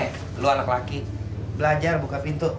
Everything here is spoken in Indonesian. eh lo anak laki belajar buka pintu